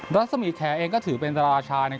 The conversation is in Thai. รัสมีแคระถือเป็นราราชาย